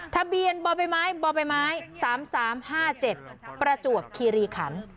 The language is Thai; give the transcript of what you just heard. ทะเบียนบอไปไม้บอไปไม้สามสามห้าเจ็ดประจวบคิริขัน